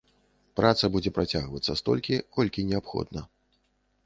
Праца будзе працягвацца столькі, колькі неабходна.